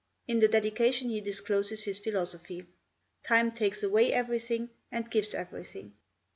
In the dedication he discloses his philosophy: 'Time takes away everything and gives everything.'